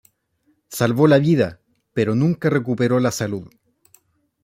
Salvó la vida, pero nunca recuperó la salud.